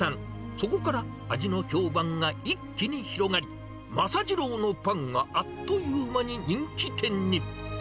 そこから味の評判が一気に広がり、政次郎のパンがあっという間に人気店に。